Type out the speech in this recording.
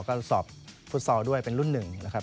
ก็สอบฟุตซอลด้วยเป็นรุ่นหนึ่งนะครับ